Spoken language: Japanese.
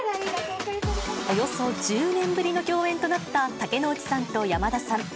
およそ１０年ぶりの共演となった、竹野内さんと山田さん。